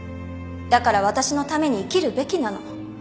だから私のために生きるべきなの